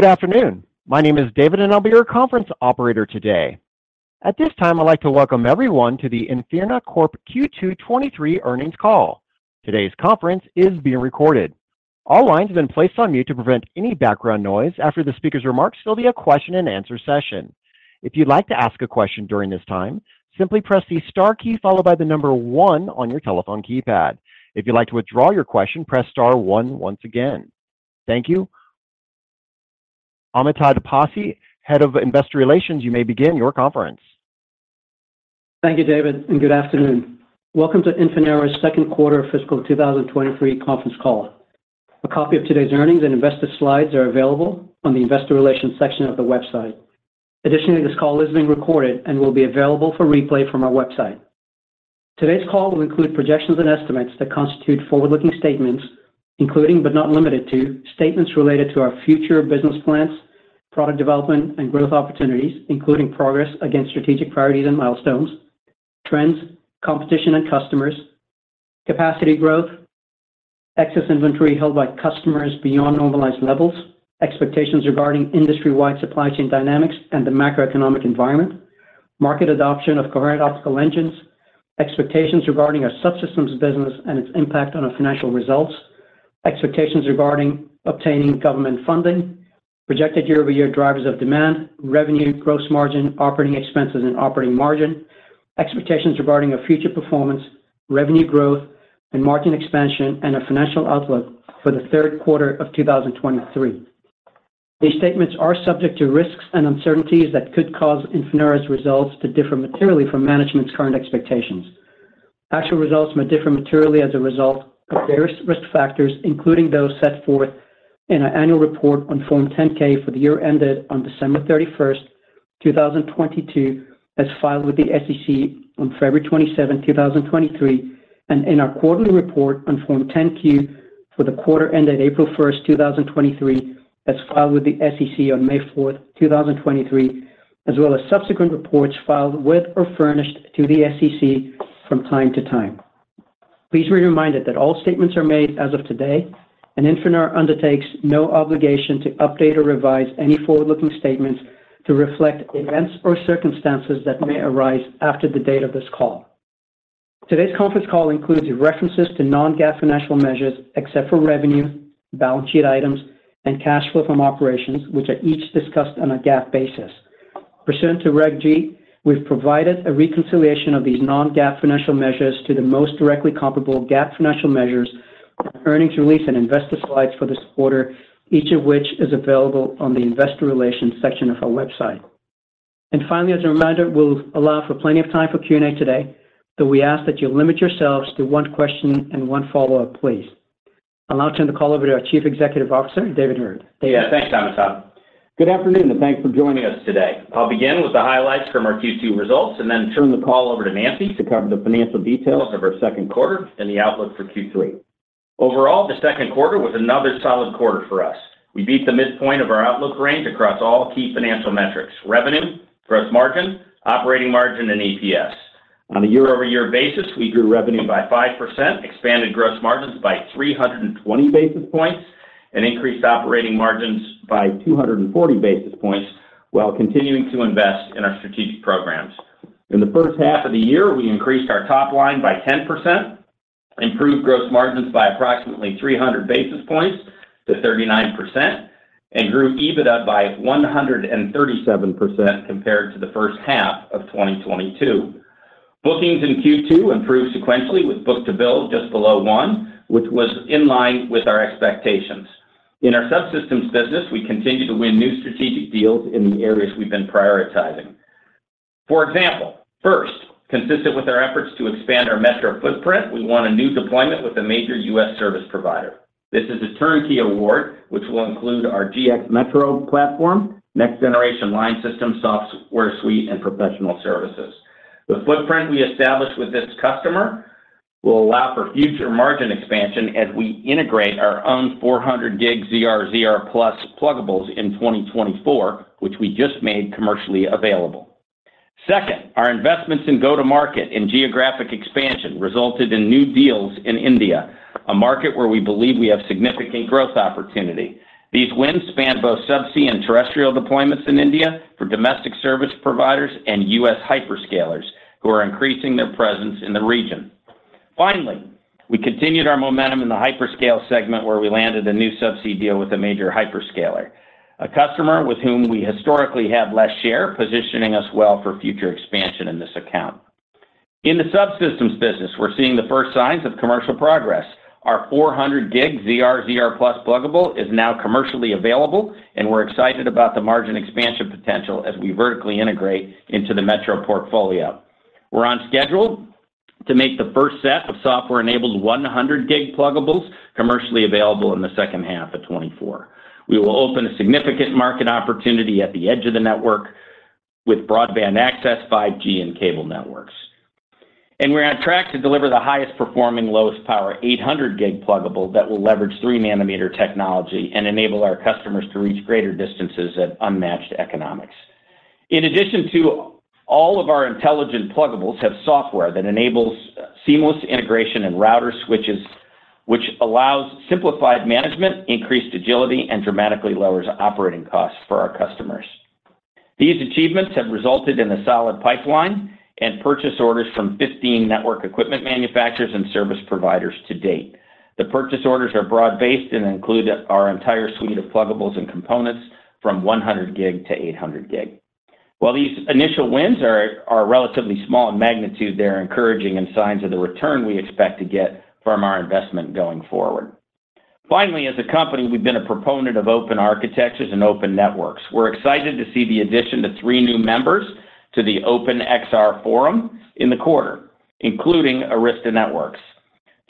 Good afternoon. My name is David, and I'll be your conference operator today. At this time, I'd like to welcome everyone to the Infinera Corp Q2 2023 earnings call. Today's conference is being recorded. All lines have been placed on mute to prevent any background noise. After the speaker's remarks, there'll be a question and answer session. If you'd like to ask a question during this time, simply press the star key followed by the number one on your telephone keypad. If you'd like to withdraw your question, press star one once again. Thank you. Amitabh Passi, Head of Investor Relations, you may begin your conference. Thank you, David, and good afternoon. Welcome to Infinera's second quarter fiscal 2023 conference call. A copy of today's earnings and investor slides are available on the Investor Relations section of the website. Additionally, this call is being recorded and will be available for replay from our website. Today's call will include projections and estimates that constitute forward-looking statements, including, but not limited to, statements related to our future business plans, product development, and growth opportunities, including progress against strategic priorities and milestones, trends, competition and customers, capacity growth, excess inventory held by customers beyond normalized levels, expectations regarding industry-wide supply chain dynamics and the macroeconomic environment, market adoption of coherent optical engines, expectations regarding our subsystems business and its impact on our financial results, expectations regarding obtaining government funding, projected year-over-year drivers of demand, revenue, gross margin, operating expenses, and operating margin, expectations regarding a future performance, revenue growth, and margin expansion, and a financial outlook for the third quarter of 2023. These statements are subject to risks and uncertainties that could cause Infinera's results to differ materially from management's current expectations. Actual results may differ materially as a result of various risk factors, including those set forth in our annual report on Form 10-K for the year ended on December 31st, 2022, as filed with the SEC on February 27th, 2023, and in our quarterly report on Form 10-Q for the quarter ended April 1st, 2023, as filed with the SEC on May 4th, 2023, as well as subsequent reports filed with or furnished to the SEC from time to time. Please be reminded that all statements are made as of today, and Infinera undertakes no obligation to update or revise any forward-looking statements to reflect events or circumstances that may arise after the date of this call. Today's conference call includes references to non-GAAP financial measures, except for revenue, balance sheet items, and cash flow from operations, which are each discussed on a GAAP basis. Pursuant to Reg G, we've provided a reconciliation of these non-GAAP financial measures to the most directly comparable GAAP financial measures on earnings release and investor slides for this quarter, each of which is available on the Investor Relations section of our website. Finally, as a reminder, we'll allow for plenty of time for Q&A today, so we ask that you limit yourselves to one question and one follow-up, please. I'll now turn the call over to our Chief Executive Officer, David Heard. David? Yeah, thanks, Amitai. Good afternoon, and thanks for joining us today. I'll begin with the highlights from our Q2 results and then turn the call over to Nancy to cover the financial details of our second quarter and the outlook for Q3. Overall, the second quarter was another solid quarter for us. We beat the midpoint of our outlook range across all key financial metrics: revenue, gross margin, operating margin, and EPS. On a year-over-year basis, we grew revenue by 5%, expanded gross margins by 320 basis points, and increased operating margins by 240 basis points while continuing to invest in our strategic programs. In the first half of the year, we increased our top line by 10%, improved gross margins by approximately 300 basis points to 39%, and grew EBITDA by 137% compared to the first half of 2022. Bookings in Q2 improved sequentially with book-to-bill just below 1, which was in line with our expectations. In our subsystems business, we continue to win new strategic deals in the areas we've been prioritizing. For example, first, consistent with our efforts to expand our metro footprint, we won a new deployment with a major US service provider. This is a turnkey award, which will include our GX Metro platform, next generation line system, software suite, and professional services. The footprint we established with this customer will allow for future margin expansion as we integrate our own 400G ZR, ZR+ pluggables in 2024, which we just made commercially available. Second, our investments in go-to-market and geographic expansion resulted in new deals in India, a market where we believe we have significant growth opportunity. These wins span both subsea and terrestrial deployments in India for domestic service providers and U.S. hyperscalers, who are increasing their presence in the region. Finally, we continued our momentum in the hyperscale segment, where we landed a new subsea deal with a major hyperscaler, a customer with whom we historically have less share, positioning us well for future expansion in this account. In the subsystems business, we're seeing the first signs of commercial progress. Our 400 gig ZR, ZR+ pluggable is now commercially available. We're excited about the margin expansion potential as we vertically integrate into the metro portfolio. We're on schedule to make the first set of software-enabled 100 gig pluggables commercially available in the second half of 2024. We will open a significant market opportunity at the edge of the network with broadband access, 5G and cable networks. We're on track to deliver the highest performing, lowest power, 800 gig pluggable that will leverage 3-nanometer technology and enable our customers to reach greater distances at unmatched economics. In addition to all of our intelligent pluggables have software that enables seamless integration and router switches, which allows simplified management, increased agility, and dramatically lowers operating costs for our customers. These achievements have resulted in a solid pipeline and purchase orders from 15 network equipment manufacturers and service providers to date. The purchase orders are broad-based and include our entire suite of pluggables and components from 100 gig to 800 gig. While these initial wins are relatively small in magnitude, they're encouraging and signs of the return we expect to get from our investment going forward. As a company, we've been a proponent of open architectures and open networks. We're excited to see the addition to three new members to the Open XR Forum in the quarter, including Arista Networks.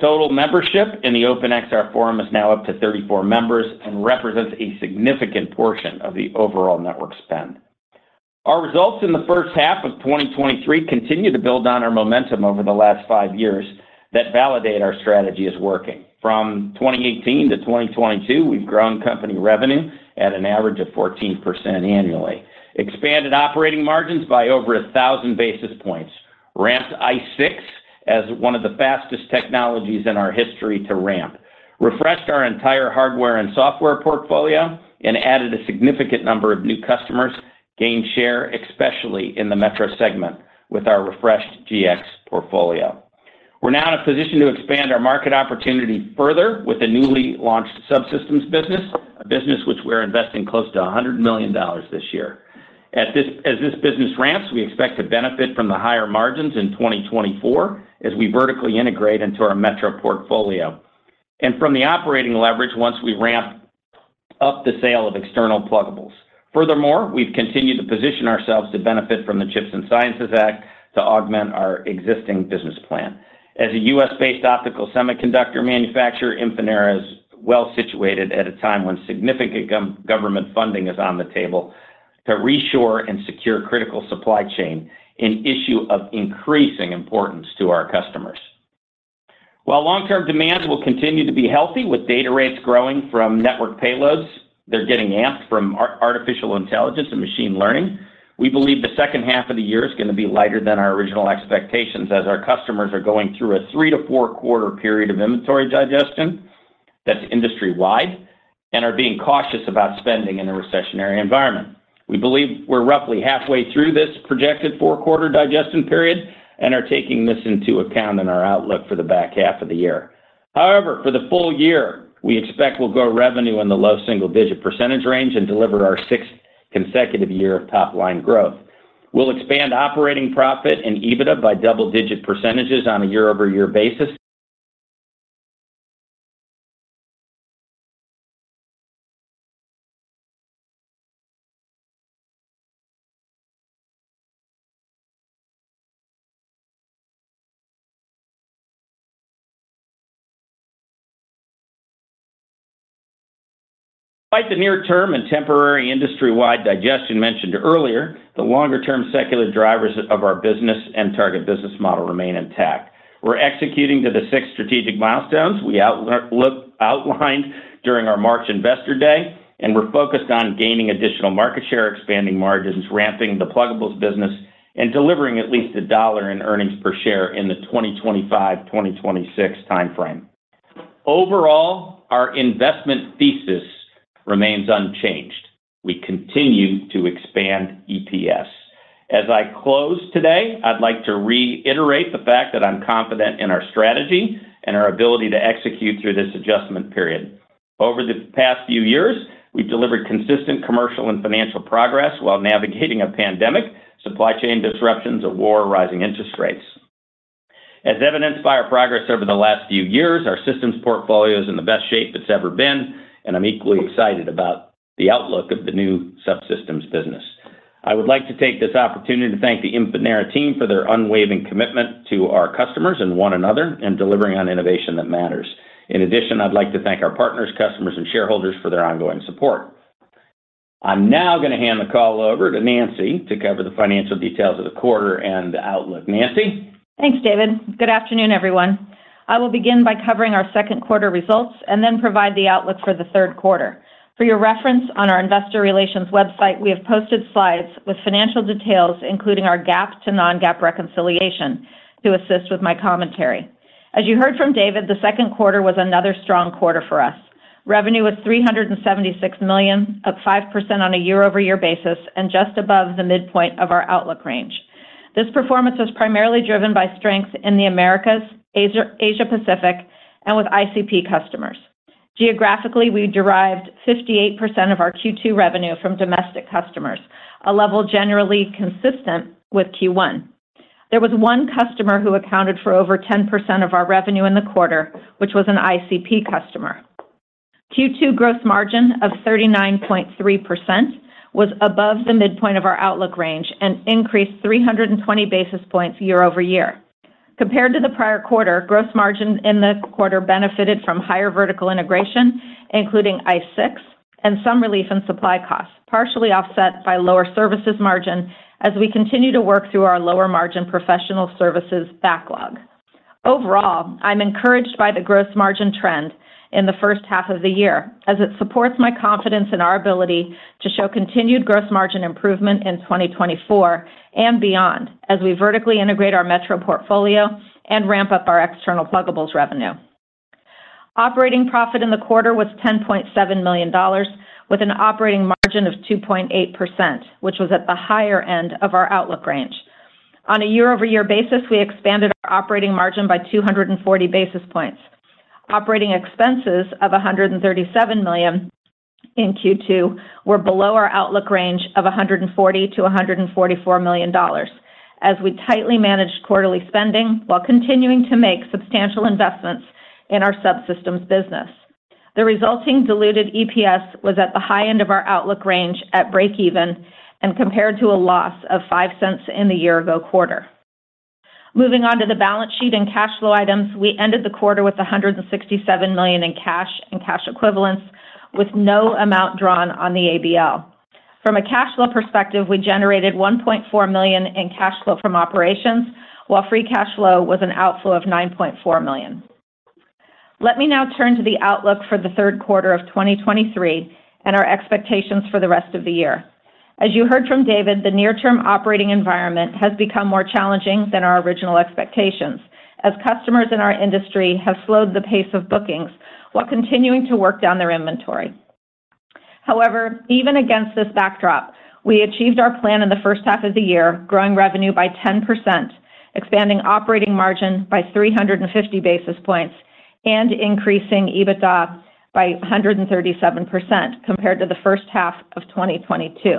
Total membership in the Open XR Forum is now up to 34 members and represents a significant portion of the overall network spend. Our results in the first half of 2023 continue to build on our momentum over the last 5 years that validate our strategy is working. From 2018 to 2022, we've grown company revenue at an average of 14% annually, expanded operating margins by over 1,000 basis points, ramped ICE6 as 1 of the fastest technologies in our history to ramp, refreshed our entire hardware and software portfolio, and added a significant number of new customers, gained share, especially in the metro segment, with our refreshed GX portfolio. We're now in a position to expand our market opportunity further with a newly launched subsystems business, a business which we're investing close to $100 million this year. As this business ramps, we expect to benefit from the higher margins in 2024 as we vertically integrate into our metro portfolio. From the operating leverage, once we ramp up the sale of external pluggables. Furthermore, we've continued to position ourselves to benefit from the CHIPS and Science Act to augment our existing business plan. As a U.S.-based optical semiconductor manufacturer, Infinera is well situated at a time when significant government funding is on the table to reshore and secure critical supply chain, an issue of increasing importance to our customers. While long-term demand will continue to be healthy with data rates growing from network payloads, they're getting amped from artificial intelligence and machine learning. We believe the second half of the year is going to be lighter than our original expectations as our customers are going through a three to four-quarter period of inventory digestion that's industry-wide and are being cautious about spending in a recessionary environment. We believe we're roughly halfway through this projected four-quarter digestion period and are taking this into account in our outlook for the back half of the year. However, for the full year, we expect we'll grow revenue in the low single-digit % range and deliver our sixth consecutive year of top-line growth. We'll expand operating profit and EBITDA by double-digit % on a year-over-year basis. Despite the near term and temporary industry-wide digestion mentioned earlier, the longer-term secular drivers of our business and target business model remain intact. We're executing to the six strategic milestones we outlined during our March Investor Day, and we're focused on gaining additional market share, expanding margins, ramping the pluggables business, and delivering at least $1 in earnings per share in the 2025, 2026 time frame. Overall, our investment thesis remains unchanged. We continue to expand EPS. As I close today, I'd like to reiterate the fact that I'm confident in our strategy and our ability to execute through this adjustment period. Over the past few years, we've delivered consistent commercial and financial progress while navigating a pandemic, supply chain disruptions, a war, rising interest rates. As evidenced by our progress over the last few years, our systems portfolio is in the best shape it's ever been, and I'm equally excited about the outlook of the new subsystems business. I would like to take this opportunity to thank the Infinera team for their unwavering commitment to our customers and one another in delivering on innovation that matters. In addition, I'd like to thank our partners, customers, and shareholders for their ongoing support. I'm now going to hand the call over to Nancy to cover the financial details of the quarter and the outlook. Nancy? Thanks, David. Good afternoon, everyone. I will begin by covering our second quarter results and then provide the outlook for the third quarter. For your reference, on our investor relations website, we have posted slides with financial details, including our GAAP to non-GAAP reconciliation, to assist with my commentary. As you heard from David, the second quarter was another strong quarter for us. Revenue was $376 million, up 5% on a year-over-year basis and just above the midpoint of our outlook range. This performance was primarily driven by strength in the Americas, Asia, Asia Pacific, and with ICP customers. Geographically, we derived 58% of our Q2 revenue from domestic customers, a level generally consistent with Q1. There was one customer who accounted for over 10% of our revenue in the quarter, which was an ICP customer. Q2 gross margin of 39.3% was above the midpoint of our outlook range and increased 320 basis points year-over-year. Compared to the prior quarter, gross margin in this quarter benefited from higher vertical integration, including ICE6 and some relief in supply costs, partially offset by lower services margin as we continue to work through our lower margin professional services backlog. Overall, I'm encouraged by the growth margin trend in the first half of the year, as it supports my confidence in our ability to show continued growth margin improvement in 2024 and beyond, as we vertically integrate our metro portfolio and ramp up our external pluggables revenue. Operating profit in the quarter was $10.7 million, with an operating margin of 2.8%, which was at the higher end of our outlook range. On a year-over-year basis, we expanded our operating margin by 240 basis points. Operating expenses of $137 million in Q2 were below our outlook range of $140 million-$144 million, as we tightly managed quarterly spending while continuing to make substantial investments in our subsystems business. The resulting diluted EPS was at the high end of our outlook range at break even, compared to a loss of $0.05 in the year ago quarter. Moving on to the balance sheet and cash flow items, we ended the quarter with $167 million in cash and cash equivalents, with no amount drawn on the ABL. From a cash flow perspective, we generated $1.4 million in cash flow from operations, while free cash flow was an outflow of $9.4 million. Let me now turn to the outlook for the third quarter of 2023 and our expectations for the rest of the year. As you heard from David, the near term operating environment has become more challenging than our original expectations, as customers in our industry have slowed the pace of bookings while continuing to work down their inventory. However, even against this backdrop, we achieved our plan in the first half of the year, growing revenue by 10%, expanding operating margin by 350 basis points, and increasing EBITDA by 137% compared to the first half of 2022.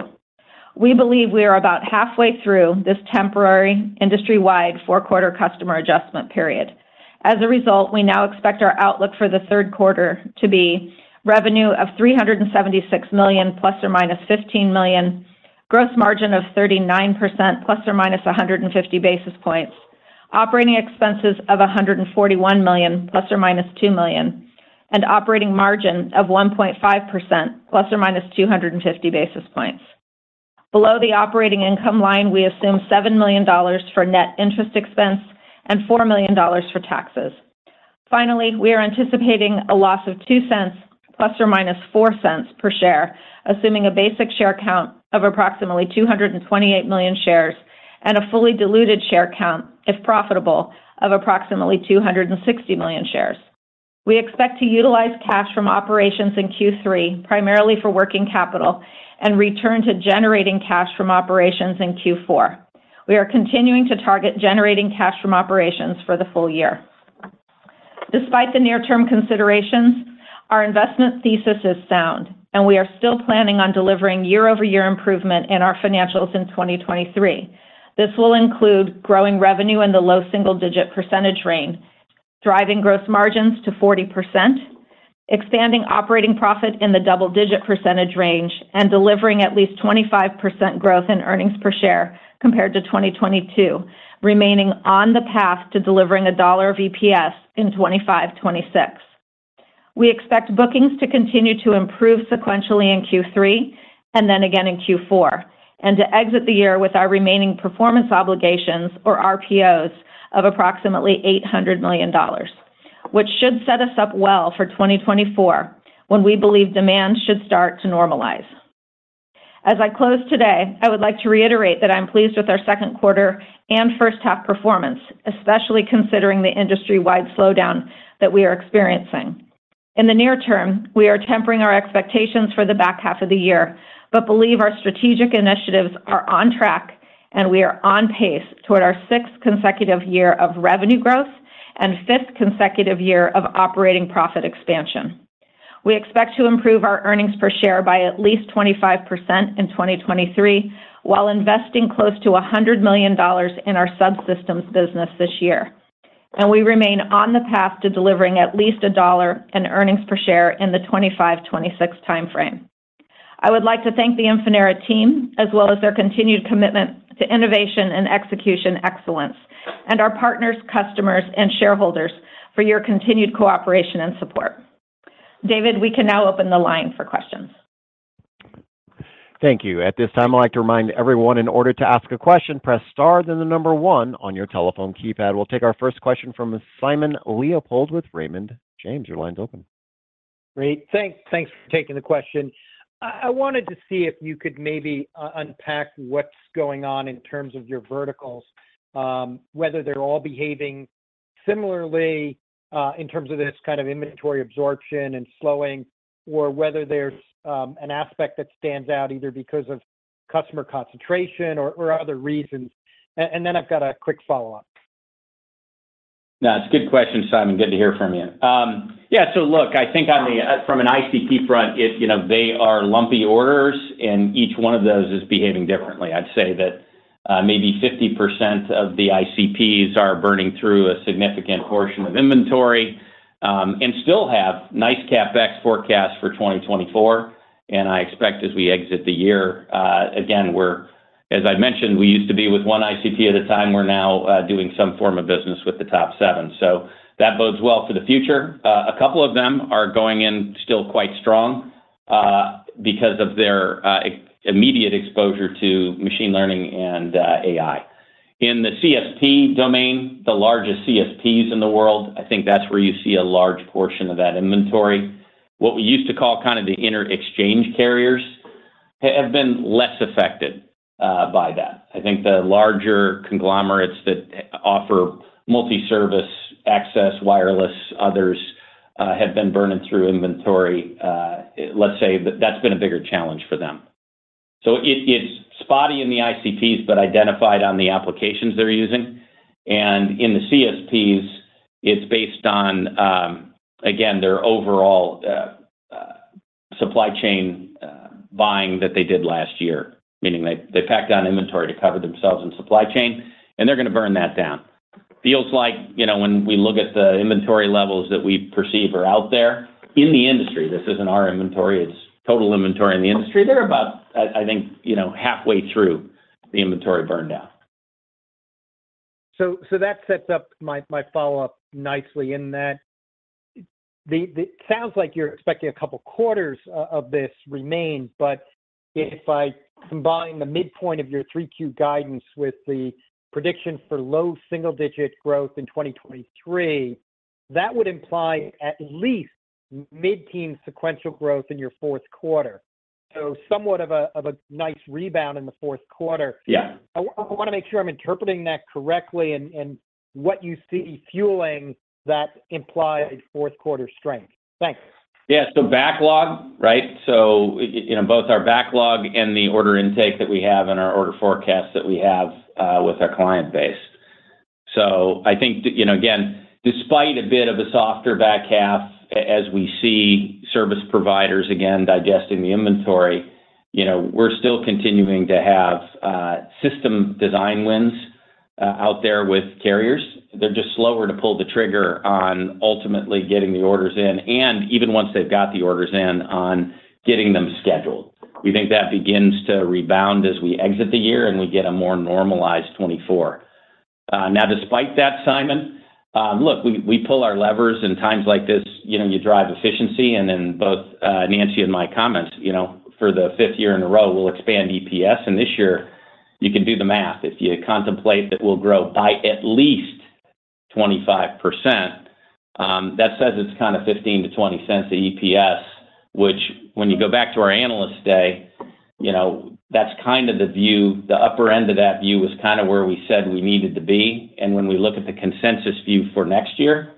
We believe we are about halfway through this temporary industry-wide 4-quarter customer adjustment period. As a result, we now expect our outlook for the third quarter to be revenue of $376 million, ±$15 million, gross margin of 39%, ±150 basis points, operating expenses of $141 million, ±$2 million, and operating margin of 1.5%, ±250 basis points. Below the operating income line, we assume $7 million for net interest expense and $4 million for taxes. Finally, we are anticipating a loss of $0.02, ±$0.04 per share, assuming a basic share count of approximately 228 million shares and a fully diluted share count, if profitable, of approximately 260 million shares. We expect to utilize cash from operations in Q3, primarily for working capital, and return to generating cash from operations in Q4. We are continuing to target generating cash from operations for the full year. Despite the near-term considerations, our investment thesis is sound, and we are still planning on delivering year-over-year improvement in our financials in 2023. This will include growing revenue in the low single-digit percentage range, driving gross margins to 40%, expanding operating profit in the double-digit percentage range, and delivering at least 25% growth in earnings per share compared to 2022, remaining on the path to delivering $1 of EPS in 2025, 2026. We expect bookings to continue to improve sequentially in Q3 and then again in Q4, and to exit the year with our remaining performance obligations, or RPOs, of approximately $800 million, which should set us up well for 2024, when we believe demand should start to normalize. As I close today, I would like to reiterate that I'm pleased with our second quarter and first half performance, especially considering the industry-wide slowdown that we are experiencing. In the near term, we are tempering our expectations for the back half of the year, but believe our strategic initiatives are on track, and we are on pace toward our sixth consecutive year of revenue growth and fifth consecutive year of operating profit expansion. We expect to improve our earnings per share by at least 25% in 2023, while investing close to $100 million in our subsystems business this year. We remain on the path to delivering at least $1 in earnings per share in the 2025-2026 timeframe. I would like to thank the Infinera team, as well as their continued commitment to innovation and execution excellence, and our partners, customers, and shareholders for your continued cooperation and support. David, we can now open the line for questions. Thank you. At this time, I'd like to remind everyone, in order to ask a question, press star, then the number one on your telephone keypad. We'll take our first question from Simon Leopold with Raymond James. Your line is open. Great. Thanks. Thanks for taking the question. I wanted to see if you could maybe unpack what's going on in terms of your verticals, whether they're all behaving similarly, in terms of this kind of inventory absorption and slowing, or whether there's an aspect that stands out, either because of customer concentration or, or other reasons. Then I've got a quick follow-up. No, it's a good question, Simon. Good to hear from you. I think on the from an ICP front, it's, you know, they are lumpy orders, and each one of those is behaving differently. I'd say that maybe 50% of the ICPs are burning through a significant portion of inventory, and still have nice CapEx forecast for 2024. I expect as we exit the year, as I mentioned, we used to be with 1 ICP at a time. We're now doing some form of business with the top 7. That bodes well for the future. A couple of them are going in still quite strong.... because of their immediate exposure to machine learning and AI. In the CSP domain, the largest CSPs in the world, I think that's where you see a large portion of that inventory. What we used to call kind of the interexchange carriers, have been less affected by that. I think the larger conglomerates that offer multi-service access, wireless, others, have been burning through inventory. Let's say that that's been a bigger challenge for them. It's spotty in the ICPs, but identified on the applications they're using. In the CSPs, it's based on again, their overall supply chain buying that they did last year, meaning they packed on inventory to cover themselves in supply chain, and they're going to burn that down. Feels like when we look at the inventory levels that we perceive are out there in the industry, this isn't our inventory, it's total inventory in the industry. They're about, I, I think, you know, halfway through the inventory burn down. That sets up my, my follow-up nicely in that, it sounds like you're expecting a couple quarters of, of this remain, but if I combine the midpoint of your 3Q guidance with the prediction for low single-digit growth in 2023, that would imply at least mid-teen sequential growth in your fourth quarter. Somewhat of a, of a nice rebound in the fourth quarter. Yeah. I want to make sure I'm interpreting that correctly, and what you see fueling that implied fourth quarter strength. Thanks. Yeah. Backlog, right? You know, both our backlog and the order intake that we have and our order forecast that we have with our client base. I think that, you know, again, despite a bit of a softer back half, as we see service providers again, digesting the inventory, you know, we're still continuing to have system design wins out there with carriers. They're just slower to pull the trigger on ultimately getting the orders in, and even once they've got the orders in, on getting them scheduled. We think that begins to rebound as we exit the year and we get a more normalized 2024. Now, despite that, Simon, look, we, we pull our levers in times like this, you know, you drive efficiency, and in both, Nancy and my comments, you know, for the fifth year in a row, we'll expand EPS. This year, you can do the math. If you contemplate that we'll grow by at least 25%, that says it's kind of $0.15 to $0.20 an EPS, which when you go back to our Analyst Day, you know, that's kind of the view. The upper end of that view was kind of where we said we needed to be, and when we look at the consensus view for next year,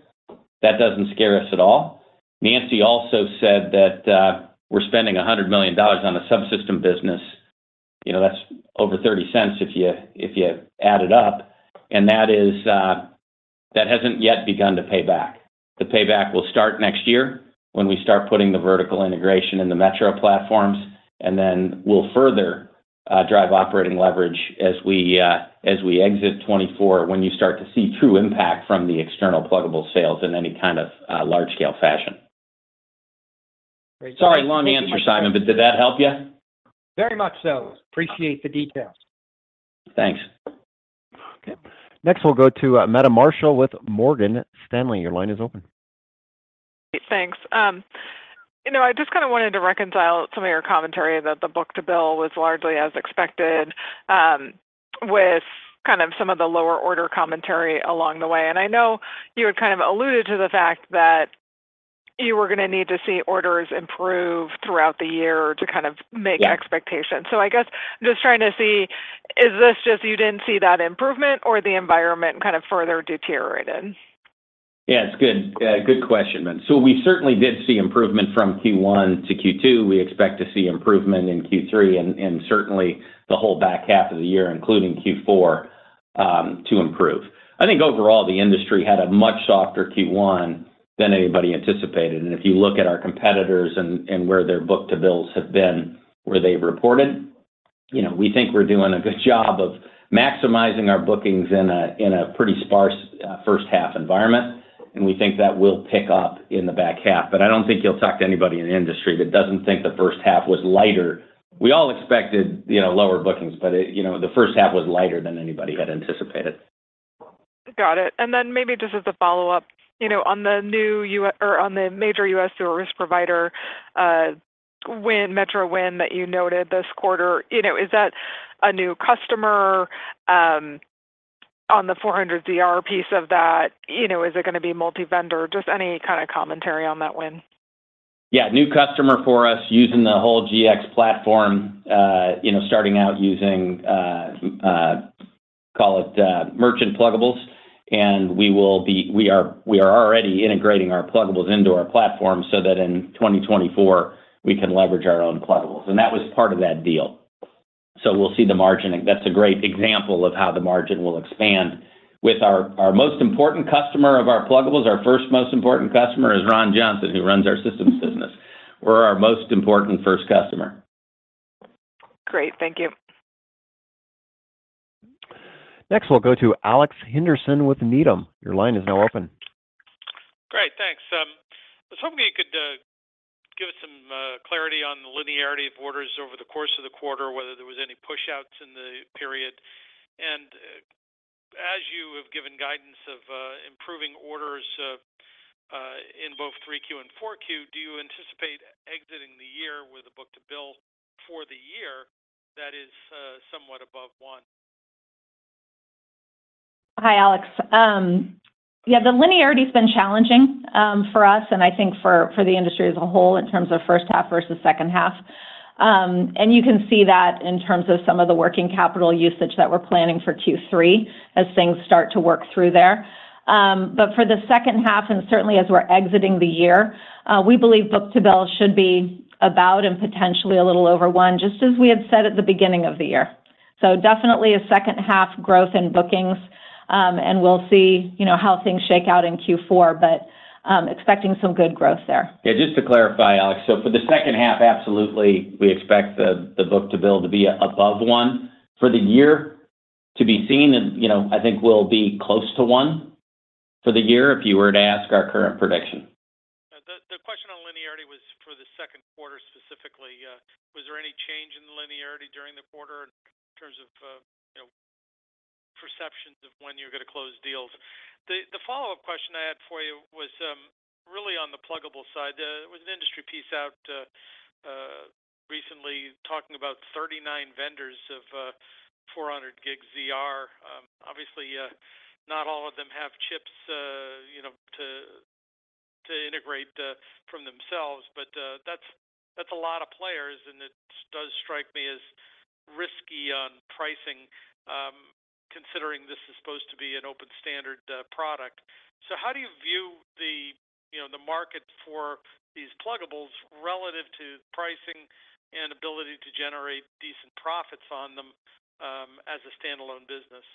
that doesn't scare us at all. Nancy also said that, we're spending $100 million on the subsystem business. You know, that's over $0.30 if you, if you add it up, and that is, that hasn't yet begun to pay back. The payback will start next year when we start putting the vertical integration in the metro platforms, and then we'll further, drive operating leverage as we, as we exit 2024, when you start to see true impact from the external pluggable sales in any large-scale fashion. Great, thank you. Sorry, long answer, Simon, but did that help you? Very much so. Appreciate the details. Thanks. Okay. Next, we'll go to Meta Marshall with Morgan Stanley. Your line is open. Great. Thanks. you know, I just kind of wanted to reconcile some of your commentary that the book-to-bill was largely as expected, with kind of some of the lower order commentary along the way. I know you had alluded to the fact that you were going to need to see orders improve throughout the year to make- Yeah I guess just trying to see, is this just you didn't see that improvement or the environment kind of further deteriorated? Yeah, it's good. Good question. We certainly did see improvement from Q1 to Q2. We expect to see improvement in Q3 and certainly the whole back half of the year, including Q4, to improve. I think overall, the industry had a much softer Q1 than anybody anticipated. If you look at our competitors and where their book-to-bills have been, where they've reported, you know, we think we're doing a good job of maximizing our bookings in a pretty sparse first half environment, and we think that will pick up in the back half. I don't think you'll talk to anybody in the industry that doesn't think the first half was lighter. We all expected, lower bookings, but it, you know, the first half was lighter than anybody had anticipated. Got it. Maybe just as a follow-up, on the new U- or on the major U.S. service provider win, metro win that you noted this quarter, you know, is that a new customer on the 400 DR piece of that? You know, is it going to be multi-vendor? Just any kind of commentary on that win. Yeah, new customer for us using the whole GX platform, you know, starting out using, call it, merchant pluggables, and we are, we are already integrating our pluggables into our platform so that in 2024, we can leverage our own pluggables, and that was part of that deal. We'll see the margin. That's a great example of how the margin will expand. With our, our most important customer of our pluggables, our first most important customer is Ron Johnson, who runs our systems business. We're our most important first customer. Great. Thank you. Next, we'll go to Alex Henderson with Needham. Your line is now open. Great, thanks. I was hoping you could give us some clarity on the linearity of orders over the course of the quarter, whether there was any pushouts in the period, as you have given guidance of improving orders in both 3Q and 4Q, do you anticipate exiting the year with a book-to-bill for the year that is somewhat above 1? Hi, Alex. The linearity has been challenging for us, and I think for the industry as a whole in terms of first half versus second half. You can see that in terms of some of the working capital usage that we're planning for Q3 as things start to work through there. For the second half, and certainly as we're exiting the year, we believe book-to-bill should be about and potentially a little over one, just as we had said at the beginning of the year. Definitely a second-half growth in bookings, and we'll see how things shake out in Q4, but expecting some good growth there. Yeah, just to clarify, Alex, so for the second half, absolutely, we expect the, the book-to-bill to be above one. For the year, to be seen, and, I think we'll be close to one for the year if you were to ask our current prediction. The, the question on linearity was for the second quarter, specifically. Was there any change in the linearity during the quarter in terms of, you know, perceptions of when you're going to close deals? The, the follow-up question I had for you was really on the pluggable side. There was an industry piece out recently talking about 39 vendors of 400G ZR. Obviously, not all of them have chips, you know, to, to integrate from themselves, but that's, that's a lot of players, and it does strike me as risky on pricing, considering this is supposed to be an open standard product. How do you view the, you know, the market for these pluggables relative to pricing and ability to generate decent profits on them as a standalone business?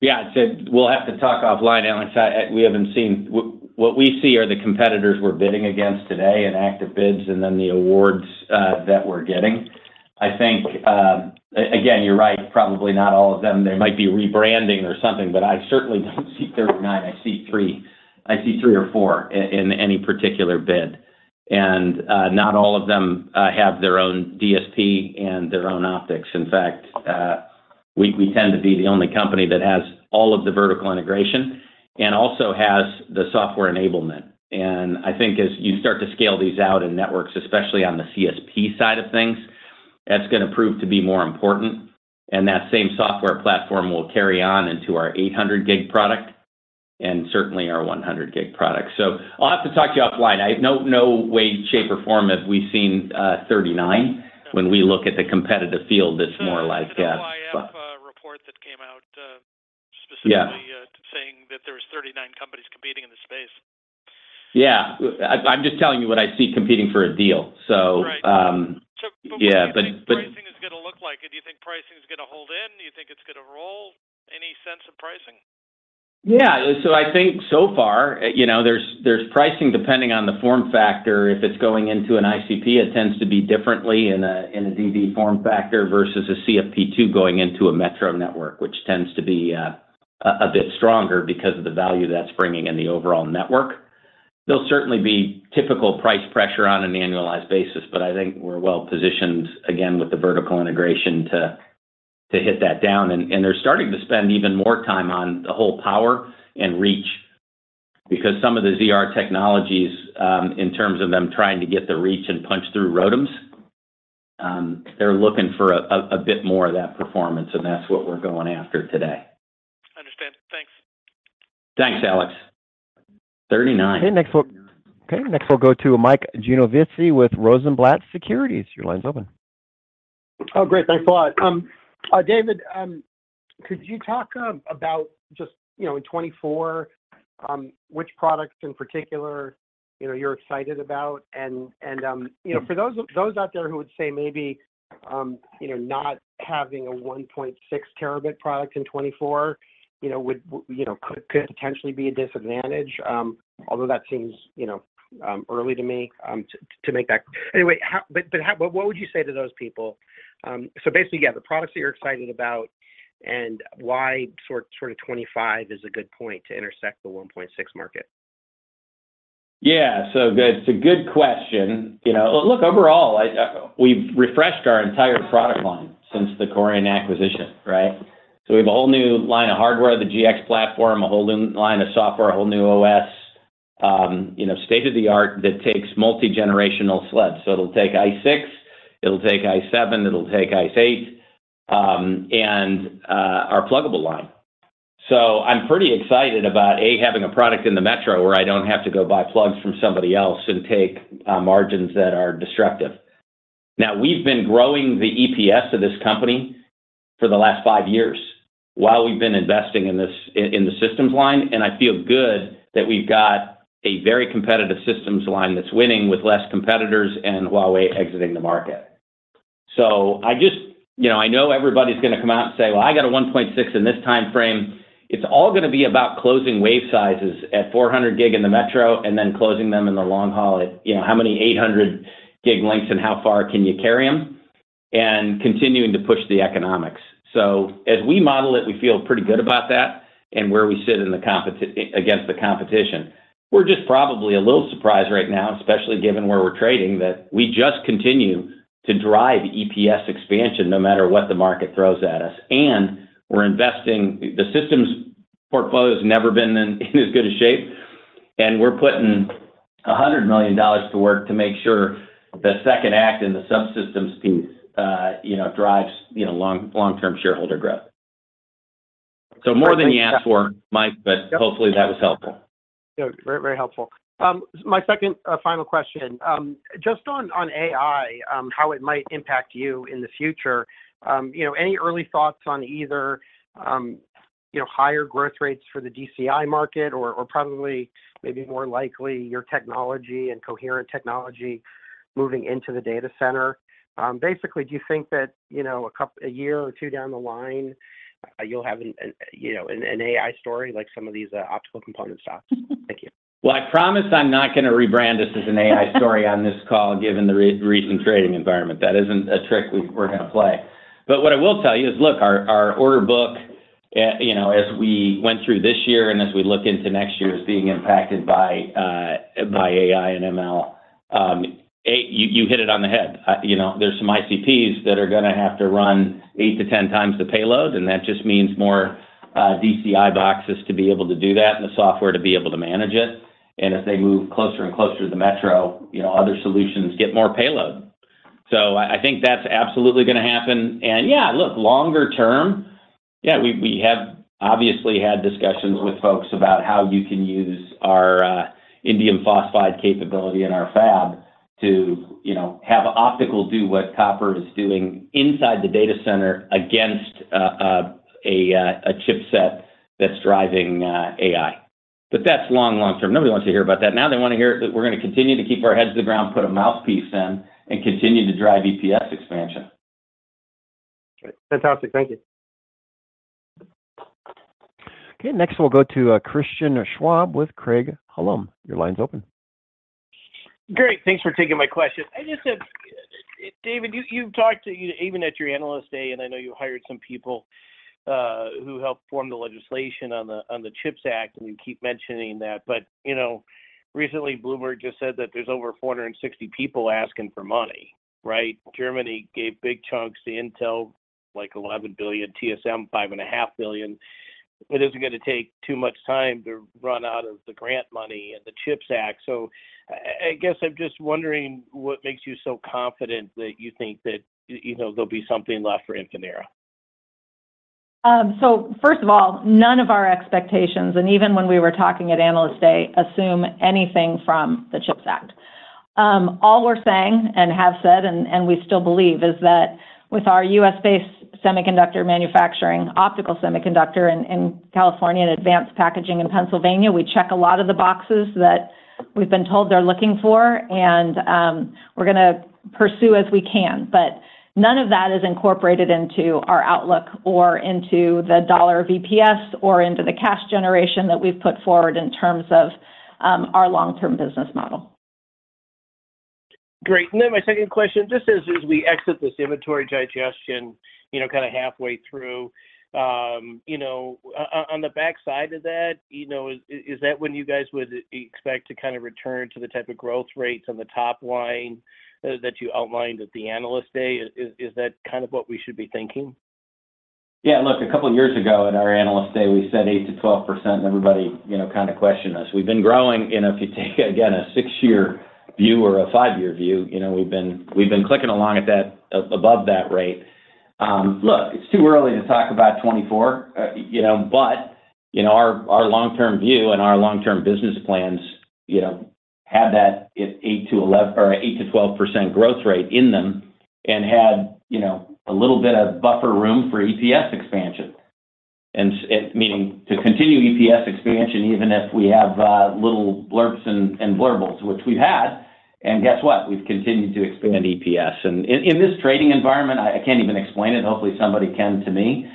Yeah, we'll have to talk offline, Alex. We haven't seen. What, what we see are the competitors we're bidding against today, and active bids, and then the awards that we're getting. I think, a- again, you're right, probably not all of them. There might be rebranding or something, but I certainly don't see 39, I see 3. I see 3 or 4 i- in any particular bid, and not all of them have their own DSP and their own optics. In fact, we, we tend to be the only company that has all of the vertical integration and also has the software enablement. I think as you start to scale these out in networks, especially on the CSP side of things, that's going to prove to be more important, and that same software platform will carry on into our 800 gig product and certainly our 100 gig product. I'll have to talk to you offline. I have no, no way, shape, or form have we seen 39. When we look at the competitive field, it's more like, yeah, but. report that came out, specifically. Yeah... saying that there was 39 companies competing in the space. Yeah. I'm just telling you what I see competing for a deal. Right. Yeah, but, but- pricing is going to look like? Do you think pricing is going to hold in? Do you think it's going to roll? Any sense of pricing? Yeah. So I think so far, you know, there's, there's pricing, depending on the form factor. If it's going into an ICP, it tends to be differently in a, in a QSFP-DD form factor versus a CFP2 going into a metro network, which tends to be a bit stronger because of the value that's bringing in the overall network. There'll certainly be typical price pressure on an annualized basis, but I think we're well positioned, again, with the vertical integration to, to hit that down. And they're starting to spend even more time on the whole power and reach because some of the ZR technologies, in terms of them trying to get the reach and punch through ROADMs, they're looking for a bit more of that performance, and that's what we're going after today. Understand. Thanks. Thanks, Alex. 39. Okay, next we'll go to Mike Genovese with Rosenblatt Securities. Your line's open. Oh, great. Thanks a lot. David, could you talk about just, you know, in 2024, which products in particular, you know, you're excited about? For those, those out there who would say maybe, you know, not having a 1.6 Tb product in 2024, you know could potentially be a disadvantage, although that seems, early to me, to, to make that... What would you say to those people? The products that you're excited about and why sort of 2025 is a good point to intersect the 1.6 market. Yeah, it's a good question. You know, look, overall, I, we've refreshed our entire product line since the Coriant acquisition, right? We have a whole new line of hardware, the GX platform, a whole new line of software, a whole new OS, you know, state-of-the-art that takes multigenerational sleds. It'll take ICE6, it'll take ICE7, it'll take ICE8, and our pluggable line. I'm pretty excited about, A, having a product in the metro where I don't have to go buy plugs from somebody else and take margins that are disruptive. Now, we've been growing the EPS of this company for the last five years while we've been investing in this, in the systems line, and I feel good that we've got a very competitive systems line that's winning with less competitors and Huawei exiting the market. I know everybody's going to come out and say, "Well, I got a 1.6 in this timeframe." It's all going to be about closing wave sizes at 400 gig in the metro and then closing them in the long haul at, you know, how many 800 gig lengths and how far can you carry them, and continuing to push the economics. As we model it, we feel pretty good about that and where we sit in the against the competition. We're just probably a little surprised right now, especially given where we're trading, that we just continue to drive EPS expansion no matter what the market throws at us. We're investing-- the systems portfolio's never been in, in as good a shape, and we're putting $100 million to work to make sure the second act in the subsystems piece, you know, drives, you know, long, long-term shareholder growth. More than you asked for, Mike, but hopefully that was helpful. Good. Very, very helpful. My second, final question. Just on, on AI, how it might impact you in the future, you know, any early thoughts on either, you know, higher growth rates for the DCI market or, or probably, maybe more likely, your technology and coherent technology moving into the data center? Basically, do you think that, a year or two down the line, you'll have an AI story like some of these optical component stocks? Thank you. Well, I promise I'm not gonna rebrand us as an AI story on this call, given the recent trading environment. That isn't a trick we're gonna play. What I will tell you is, look, our, our order book, you know, as we went through this year and as we look into next year, is being impacted by AI and ML. You, you hit it on the head. You know, there's some ICPs that are gonna have to run 8-10 times the payload, and that just means more DCI boxes to be able to do that and the software to be able to manage it. As they move closer and closer to the metro, you know, other solutions get more payload. I, I think that's absolutely gonna happen. Yeah, look, longer term, yeah, we, we have obviously had discussions with folks about how you can use our indium phosphide capability in our fab to, you know, have optical do what copper is doing inside the data center against a chipset that's driving AI. That's long, long term. Nobody wants to hear about that. Now, they want to hear that we're gonna continue to keep our heads to the ground, put a mouthpiece in, and continue to drive EPS expansion. Great. Fantastic. Thank you. Okay. Next, we'll go to Christian Schwab with Craig-Hallum. Your line's open. Great. Thanks for taking my question. I just have... David, you, you've talked to, you know, even at your Analyst Day, and I know you hired some people who helped form the legislation on the CHIPS Act, and you keep mentioning that. You know, recently, Bloomberg just said that there's over 460 people asking for money, right? Germany gave big chunks to Intel, like $11 billion, TSMC, $5.5 billion. It isn't gonna take too much time to run out of the grant money and the CHIPS Act. I, I guess I'm just wondering what makes you so confident that you think that, you know, there'll be something left for Infinera? First of all, none of our expectations, and even when we were talking at Analyst Day, assume anything from the CHIPS Act. All we're saying and have said, and we still believe, is that with our U.S.-based semiconductor manufacturing, optical semiconductor in California and advanced packaging in Pennsylvania, we check a lot of the boxes that we've been told they're looking for, and we're gonna pursue as we can. None of that is incorporated into our outlook or into the dollar EPS or into the cash generation that we've put forward in terms of our long-term business model. Great. Then my second question, just as, as we exit this inventory digestion, you know, kinda halfway through, you know, on the backside of that, you know, is, is that when you guys would expect to kinda return to the type of growth rates on the top line that you outlined at the Analyst Day? Is, is, is that kind of what we should be thinking? Yeah, look, a couple of years ago at our Analyst Day, we said 8%-12%, Everybody, you know, kinda questioned us. We've been growing, If you take, again, a six-year view or a five-year view, you know, we've been, we've been clicking along at that, above that rate. Look, it's too early to talk about 2024, our long-term view and our long-term business plans, you know, have that at 8%-11%, or 8%-12% growth rate in them, and had, you know, a little bit of buffer room for EPS expansion. Meaning to continue EPS expansion, even if we have little blurps and blurbles, which we've had. Guess what? We've continued to expand EPS. In, in this trading environment, I, I can't even explain it. Hopefully, somebody can to me.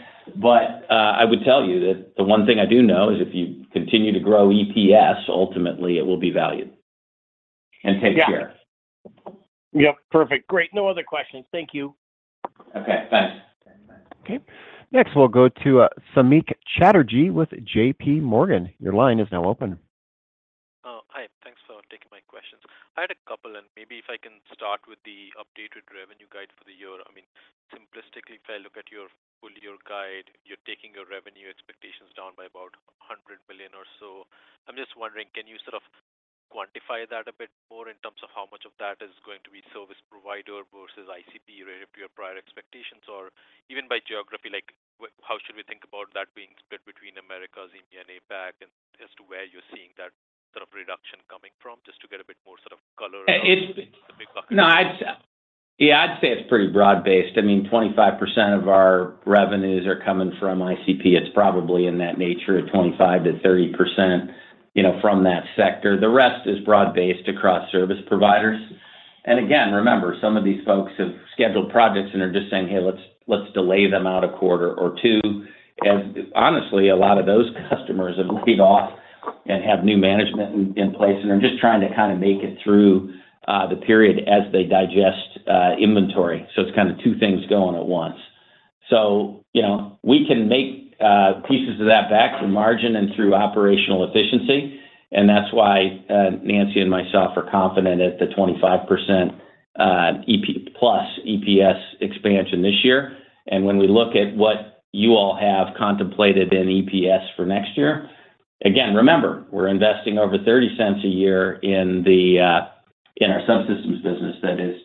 I would tell you that the one thing I do know is if you continue to grow EPS, ultimately it will be valued- Yeah and take care. Yep, perfect. Great. No other questions. Thank you. Okay, thanks. Okay. Next, we'll go to Samik Chatterjee with JP Morgan. Your line is now open. Hi, thanks for taking my questions. I had a couple, and maybe if I can start with the updated revenue guide for the year. I mean, simplistically, if I look at your full year guide, you're taking your revenue expectations down by about $100 million or so. I'm just wondering, can you sort of quantify that a bit more in terms of how much of that is going to be service provider versus ICP relative to your prior expectations? Or even by geography, like, how should we think about that being split between Americas, India, and APAC, and as to where you're seeing that sort of reduction coming from, just to get a bit more sort of color? Uh, it- The big bucket. No, I'd say it's pretty broad-based. I mean, 25% of our revenues are coming from ICP. It's probably in that nature of 25%-30%, from that sector. The rest is broad-based across service providers. Again, remember, some of these folks have scheduled projects and are just saying: Hey, let's, let's delay them out a quarter or two. Honestly, a lot of those customers have moved off and have new management in, in place, and are just trying to make it through the period as they digest inventory. It's two things going at once. We can make pieces of that back through margin and through operational efficiency, and that's why Nancy and myself are confident at the 25% EP, plus EPS expansion this year. When we look at what you all have contemplated in EPS for next year, again, remember, we're investing over $0.30 a year in our subsystems business. That is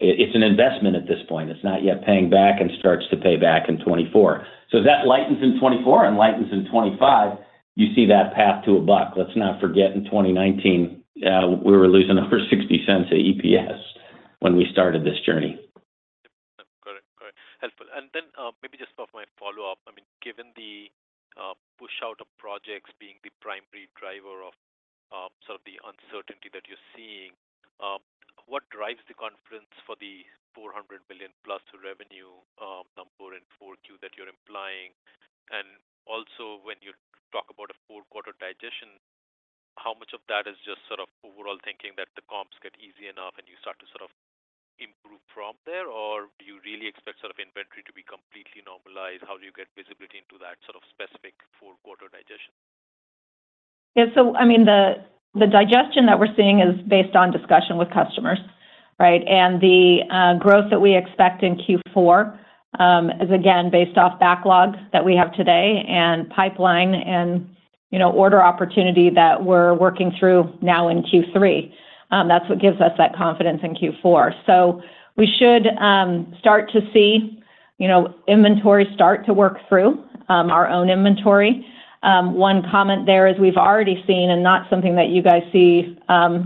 it's an investment at this point. It's not yet paying back and starts to pay back in 2024. That lightens in 2024 and lightens in 2025, you see that path to $1. Let's not forget, in 2019, we were losing over $0.60 a EPS when we started this journey. Correct. Correct. Helpful. Then, maybe just for my follow-up, I mean, given the push out of projects being the primary driver of sort of the uncertainty that you're seeing, what drives the confidence for the $400 billion plus revenue number in four Q that you're implying? Also, when you talk about a full quarter digestion, how much of that is just sort of overall thinking that the comps get easy enough and you start to sort of improve from there? Or do you really expect sort of inventory to be completely normalized? How do you get visibility into that sort of specific four-quarter digestion? Yeah. I mean, the digestion that we're seeing is based on discussion with customers, right? The growth that we expect in Q4 is again, based off backlogs that we have today, and pipeline, and, you know, order opportunity that we're working through now in Q3. That's what gives us that confidence in Q4. We should start to see, you know, inventory start to work through our own inventory. One comment there is we've already seen, and not something that you guys see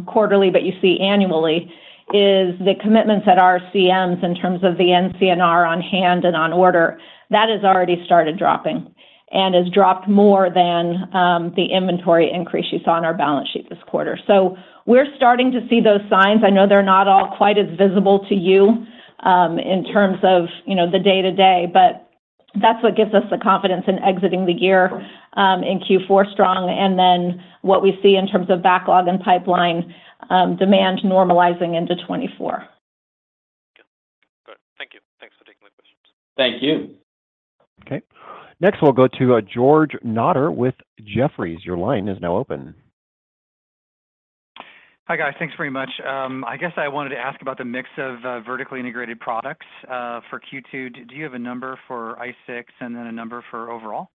quarterly, but you see annually, is the commitments at our CMs in terms of the NCNR on hand and on order. That has already started dropping, and has dropped more than the inventory increase you saw on our balance sheet this quarter. We're starting to see those signs. I know they're not all quite as visible to you, in terms of, you know, the day-to-day, but that's what gives us the confidence in exiting the year, in Q4 strong. Then what we see in terms of backlog and pipeline, demand normalizing into 2024. Good. Thank you. Thanks for taking my questions. Thank you. Okay. Next, we'll go to George Notter with Jefferies. Your line is now open. Hi, guys. Thanks very much. I guess I wanted to ask about the mix of vertically integrated products for Q2. Do, do you have a number for ICE6 and then a number for overall?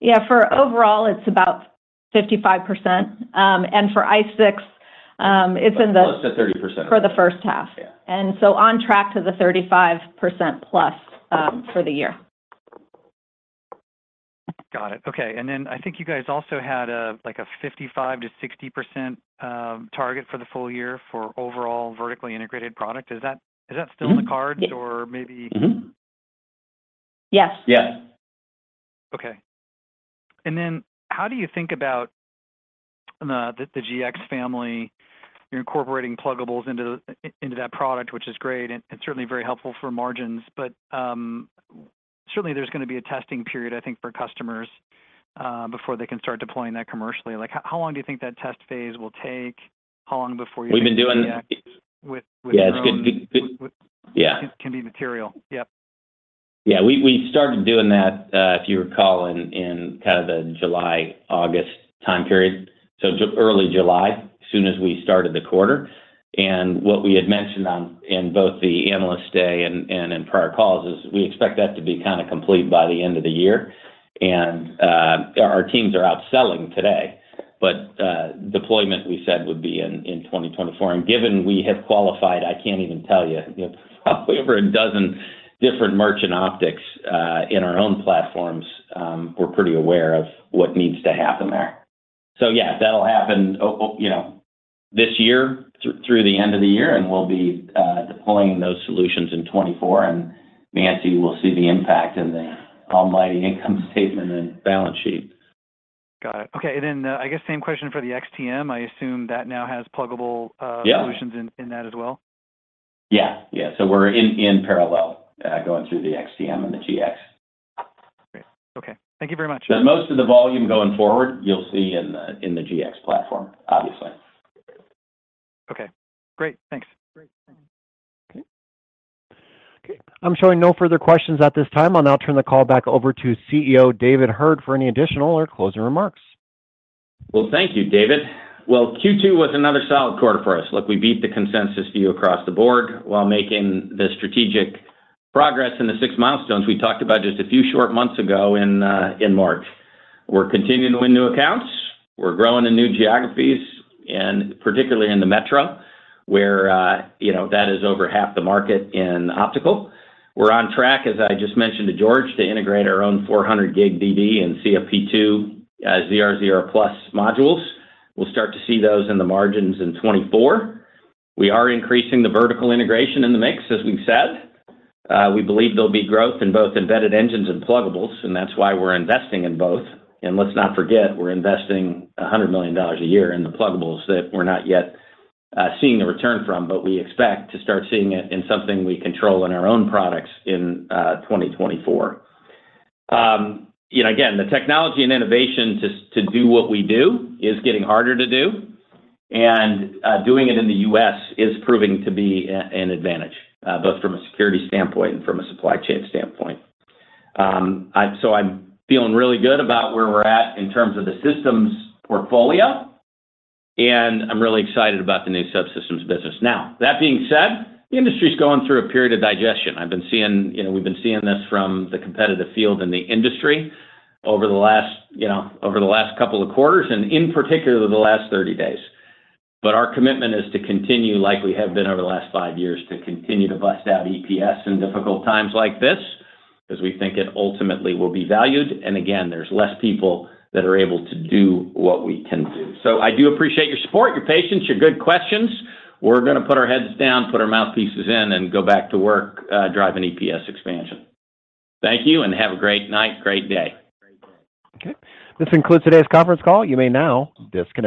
Yeah, for overall, it's about 55%. For ICE6, it's in the. Close to 30%. For the first half. Yeah. On track to the 35% plus for the year. Got it. Okay. Then I think you guys also had a, like a 55%-60% target for the full year for overall vertically integrated product. Is that, is that still in the cards? Mm-hmm. or maybe? Mm-hmm. Yes. Yes. Okay. Then how do you think about the, the GX family? You're incorporating pluggables into the, into that product, which is great, and certainly very helpful for margins. But certainly there's going to be a testing period, I think, for customers, before they can start deploying that commercially. Like, how, how long do you think that test phase will take? How long before you-? We've been doing the- With Yeah, it's good. Yeah. Can, can be material. Yep. Yeah, we, we started doing that, if you recall, in, in kind of the July, August time period. Early July, as soon as we started the quarter. What we had mentioned on, in both the Analyst Day and, in prior calls is we expect that to be kinda complete by the end of the year. Our teams are out selling today, but deployment we said would be in, in 2024. Given we have qualified, I can't even tell you, probably over 12 different merchant optics in our own platforms, we're pretty aware of what needs to happen there. Yeah, that'll happen this year, through the end of the year, and we'll be deploying those solutions in 2024, and Nancy will see the impact in the almighty income statement and balance sheet. Got it. Okay, then I guess same question for the XTM. I assume that now has pluggable. Yeah solutions in, in that as well? Yeah. Yeah. We're in, in parallel, going through the XTM and the GX. Great. Okay. Thank you very much. Most of the volume going forward, you'll see in the, in the GX platform, obviously. Okay. Great. Thanks. Great, okay. Okay, I'm showing no further questions at this time. I'll now turn the call back over to CEO, David Heard, for any additional or closing remarks. Well, thank you, David. Well, Q2 was another solid quarter for us. Look, we beat the consensus view across the board while making the strategic progress in the 6 milestones we talked about just a few short months ago in March. We're continuing to win new accounts. We're growing in new geographies, and particularly in the metro, where, you know, that is over half the market in optical. We're on track, as I just mentioned to George, to integrate our own 400 gig DB and CFP2, ZR, ZR+ modules. We'll start to see those in the margins in 2024. We are increasing the vertical integration in the mix, as we've said. We believe there'll be growth in both embedded engines and pluggables, and that's why we're investing in both. Let's not forget, we're investing $100 million a year in the pluggables that we're not yet seeing the return from. We expect to start seeing it in something we control in our own products in 2024. Again, the technology and innovation to do what we do is getting harder to do, and doing it in the U.S. is proving to be an advantage, both from a security standpoint and from a supply chain standpoint. I'm feeling really good about where we're at in terms of the systems portfolio, and I'm really excited about the new subsystems business. That being said, the industry's going through a period of digestion. I've been seeing, you know, we've been seeing this from the competitive field and the industry over the last, over the last couple of quarters, and in particular, the last 30 days. Our commitment is to continue, like we have been over the last 5 years, to continue to bust out EPS in difficult times like this, 'cause we think it ultimately will be valued, and again, there's less people that are able to do what we can do. I do appreciate your support, your patience, your good questions. We're gonna put our heads down, put our mouthpieces in, and go back to work, driving EPS expansion. Thank you, have a great night, great day. Okay. This concludes today's conference call. You may now disconnect.